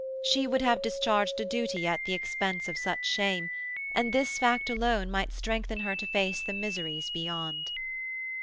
She would have discharged a duty at the expense of such shame, and this fact alone might strengthen her to face the miseries beyond.